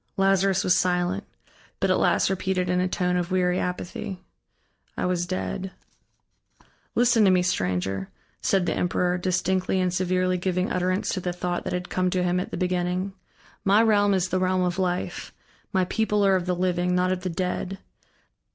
Lazarus was silent, but at last repeated in a tone of weary apathy: "I was dead." "Listen to me, stranger," said the emperor, distinctly and severely giving utterance to the thought that had come to him at the beginning, "my realm is the realm of Life, my people are of the living, not of the dead.